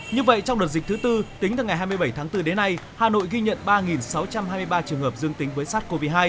như vậy trong đợt dịch thứ tư tính từ ngày hai mươi bảy tháng bốn đến nay hà nội ghi nhận ba sáu trăm hai mươi ba trường hợp dương tính với sars cov hai